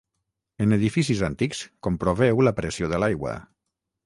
En edificis antics, comproveu la pressió de l'aigua.